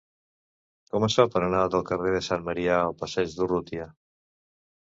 Com es fa per anar del carrer de Sant Marià al passeig d'Urrutia?